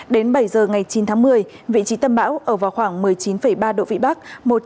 đến bảy giờ ngày chín tháng một mươi vị trí tâm bão ở vào khoảng một mươi chín ba độ vĩ bắc